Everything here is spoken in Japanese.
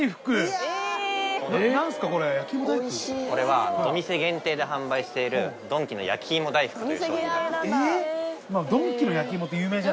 これはドミセ限定で販売しているドンキの焼き芋大福という商品になります